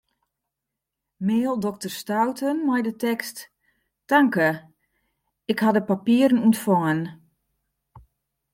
Mail dokter Stouten mei de tekst: Tanke, ik ha de papieren ûntfongen.